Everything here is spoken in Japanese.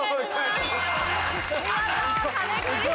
見事壁クリアです。